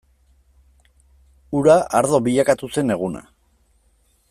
Ura ardo bilakatu zen eguna.